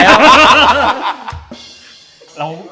นี่ก็อย่างงี้